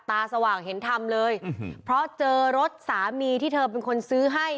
สว่างเห็นทำเลยเพราะเจอรถสามีที่เธอเป็นคนซื้อให้